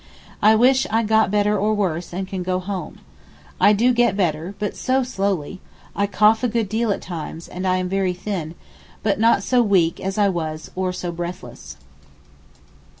I wish I got better or worse, and could go home. I do get better, but so slowly, I cough a good deal at times, and I am very thin, but not so weak as I was or so breathless.